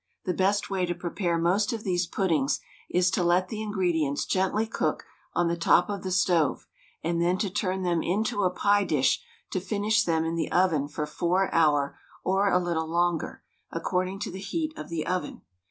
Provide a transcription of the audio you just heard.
The best way to prepare most of these puddings is to let the ingredients gently cook on the top of the stove and then to turn them into a pie dish to finish them in the oven for 4 hour or a little longer, according to the heat of the oven.